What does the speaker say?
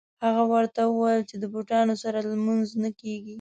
هغه ورته وویل چې د بوټانو سره لمونځ نه کېږي.